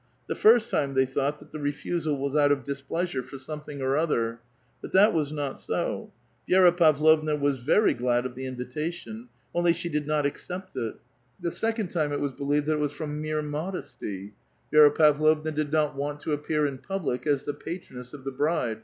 The first time thev thougiht that the refusal was out of dis pleasure for something or other ; but that was not so ; Vi^ra Pavlovna was very glad of the invitation, only she did not A VITAL QUESTION, 185 «irccept it ; the second time it was believed that it was from liiere modest} ; Vi^ra Pavlovua did not want to appear in |>ublic as the patroness of the bride.